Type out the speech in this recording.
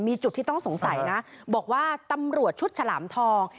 มีจุดที่ต้องสงสัยนะบอกว่าตำรวจชุดฉลามทอง